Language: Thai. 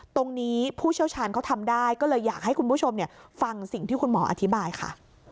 ผู้เชี่ยวชาญเขาทำได้ก็เลยอยากให้คุณผู้ชมฟังสิ่งที่คุณหมออธิบายค่ะ